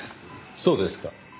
そうですか。